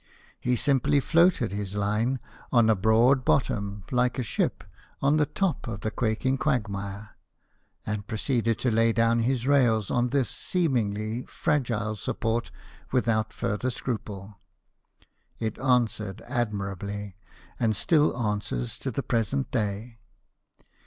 He simply floated his line on a broad bottom, like a ship, on the top of the quaking quagmire ; and pro ceeded to lay down his rails on this seemingly fragile support without further scruple. It answered admirably, and still answers to the present day.